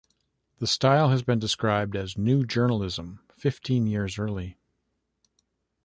The style has been described as New Journalism fifteen years early.